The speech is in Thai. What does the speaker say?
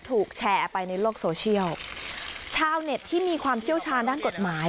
ถูกแชร์ไปในโลกโซเชียลชาวเน็ตที่มีความเชี่ยวชาญด้านกฎหมาย